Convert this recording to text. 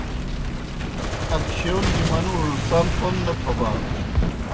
اکشِیون گیْ منُوڙوْس سَم کوْم نہ تھوبانوْ۔